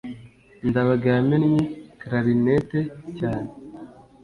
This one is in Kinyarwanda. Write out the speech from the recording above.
ndabaga yamennye clarinet cyane